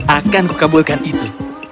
akanku kabulkan itu